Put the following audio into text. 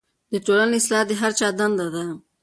د ټولنې اصلاح د هر چا دنده ده.